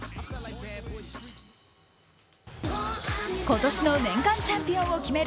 今年の年間チャンピオンを決める